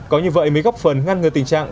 có như vậy mới góp phần ngăn ngừa tình trạng